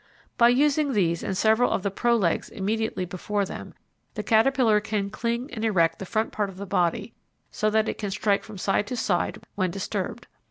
By using these and several of the pro legs immediately before them, the caterpillar can cling and erect the front part of the body so that it can strike from side to side when disturbed.